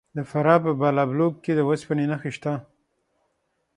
د فراه په بالابلوک کې د وسپنې نښې شته.